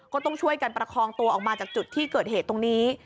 ก็ต้องช่วยกันประคองตัวออกมาจากจุดที่เกิดเหตุตรงนี้